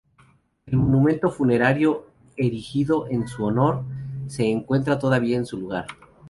El monumento funerario erigido en su honor se encuentra todavía en su lugar.